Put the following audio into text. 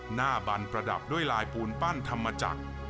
หน้าบันประดับด้วยลายปูนปั้นธรรมจักร